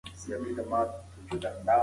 د لمر وړانګې په کړکۍ کې ننوځي.